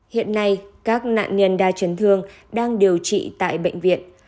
hiện nay các nạn nhân đa chấn thương đang điều trị tại bệnh viện